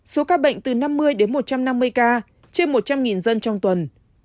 số ca bệnh từ năm mươi đến một trăm năm mươi ca trên một trăm linh dân trong tuần